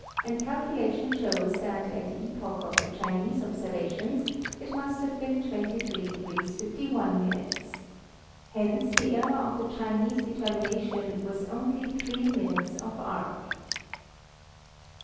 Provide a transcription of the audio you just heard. and calculation shows that at the epoch of the Chinese observations it must have been 23 deg. 51 min. Hence the error Of the Chinese determina tion was only three minutes of arc.